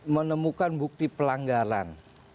menemukan bukti pelanggaran